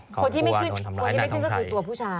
คนที่ไม่ขึ้นก็คือตัวผู้ชาย